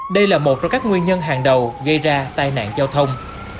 đây là một trong các nguyên nhân hàng đầu gây ra tai nạn giao thông